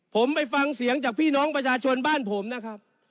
ผมไปฟังเสียงจากพี่น้องประชาชนบ้านผมนะครับ